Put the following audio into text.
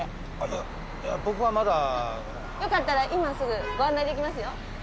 いやいや僕はまだよかったら今すぐご案内できますよ